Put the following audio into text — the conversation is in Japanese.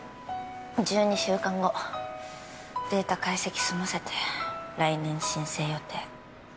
１２週間後データ解析済ませて来年申請予定